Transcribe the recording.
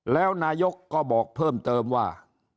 แล้วนายกก็บอกเพิ่มเติมว่า